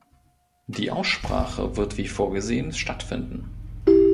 Die Aussprache wird wie vorgesehen stattfinden.